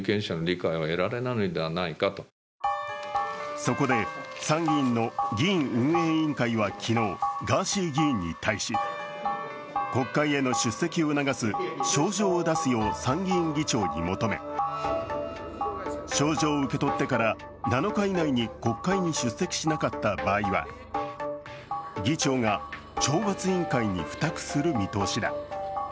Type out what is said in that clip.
そこで参議院の議院運営委員会は昨日、ガーシー議員に対し国会への出席を促す招状を出すよう参議院議長に求め招状を受け取ってから７日以内に国会に出席しなかった場合は議長が懲罰委員会に付託する見通しだ。